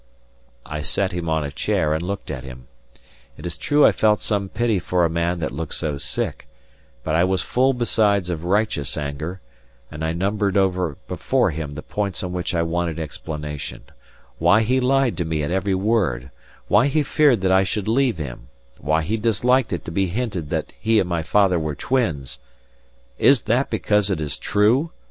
I set him on a chair and looked at him. It is true I felt some pity for a man that looked so sick, but I was full besides of righteous anger; and I numbered over before him the points on which I wanted explanation: why he lied to me at every word; why he feared that I should leave him; why he disliked it to be hinted that he and my father were twins "Is that because it is true?"